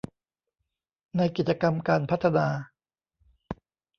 ในกิจกรรมการพัฒนา